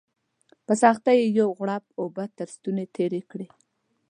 په سختۍ یې یو غوړپ اوبه تر ستوني تېري کړې